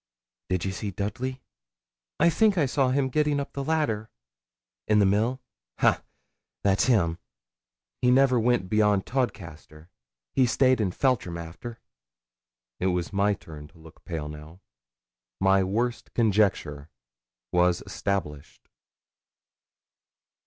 'Did ye see Dudley?' 'I think I saw him getting up the ladder.' 'In the mill? Ha! that's him. He never went beyond Todcaster. He staid in Feltram after.' It was my turn to look pale now. My worst conjecture was established.